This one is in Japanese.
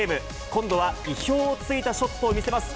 今度は意表をついたショットを見せます。